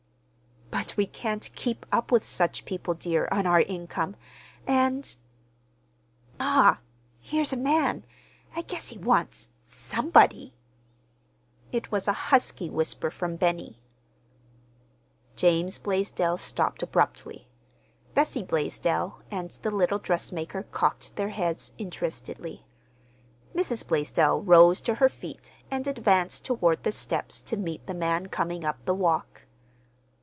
"But we can't keep up with such people, dear, on our income; and—" "Ma, here's a man. I guess he wants—somebody." It was a husky whisper from Benny. James Blaisdell stopped abruptly. Bessie Blaisdell and the little dressmaker cocked their heads interestedly. Mrs. Blaisdell rose to her feet and advanced toward the steps to meet the man coming up the walk.